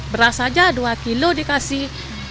beras saja dua kilo dikasih